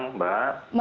selamat siang mbak